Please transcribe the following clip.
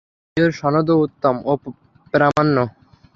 এর সনদও উত্তম ও প্রামাণ্য।